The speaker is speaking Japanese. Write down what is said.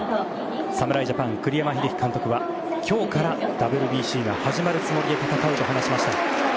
侍ジャパン、栗山英樹監督は今日からＷＢＣが始まるつもりで戦うと話しました。